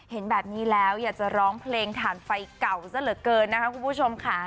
เห็นแบบนี้แล้วอยากจะร้องเพลงฐานไฟเก่าซะเหลือเกินนะคะคุณผู้ชมค่ะ